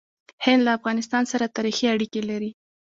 هند له افغانستان سره تاریخي اړیکې لري.